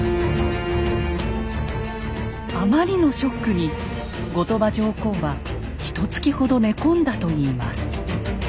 あまりのショックに後鳥羽上皇はひとつきほど寝込んだといいます。